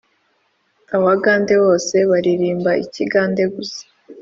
Abagande bose baririmba ikigande gusa